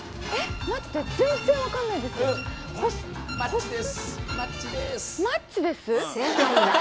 待って、全然分かんないです。